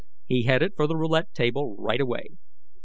He headed for the roulette table right away.